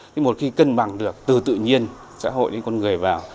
nhưng một khi cân bằng được từ tự nhiên xã hội đến con người vào